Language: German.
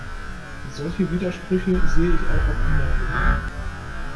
Solche Widersprüche sehe ich auch auf anderen Gebieten.